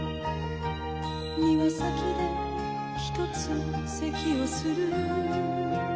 「庭先でひとつ咳をする」